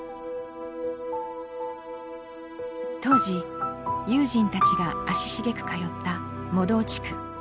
当時ユージンたちが足しげく通った茂道地区。